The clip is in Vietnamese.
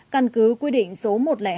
căn cứ quy định số một trăm linh hai